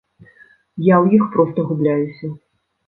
Я ў іх проста губляюся.